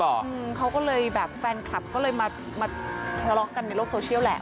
อืมเขาก็เลยแบบแฟนคลับก็เลยมามาทะเลาะกันในโลกโซเชียลแหละ